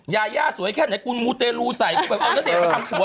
ยาย่าสวยแค่ไหนคุณมูเตรลูใส่กูแบบเอาณเดชน์มาทำสวย